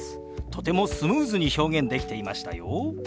とてもスムーズに表現できていましたよ。